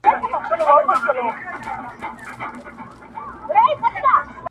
د هغه کور بل اوسېدونکی